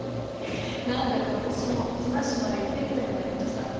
何だか私も綱島へ行ってみたくなりました。